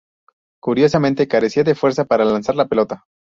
Curiosamente, carecía de fuerza para lanzar la pelota.